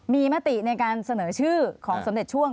มีมติในการเสนอชื่อของสมเด็จช่วง